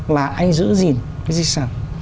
là anh giữ gìn cái di sản